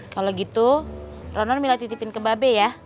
kalau gitu ronron mila titipin ke babe ya